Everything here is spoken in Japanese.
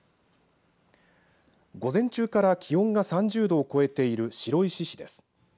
午前中から気温が３０度を超えている白石市です。